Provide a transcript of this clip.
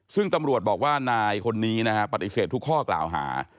ซึ่งตำรวจบอกว่านายคนนี้นะฮะปฏิเสธทุกข้อกล่าวหา